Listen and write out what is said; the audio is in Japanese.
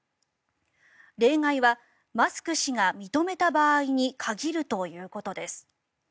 例外はマスク氏が認めた場合に限るということです。